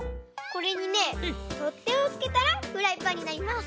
これにねとってをつけたらフライパンになります！